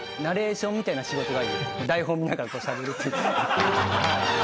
ナレーションみたいな仕事。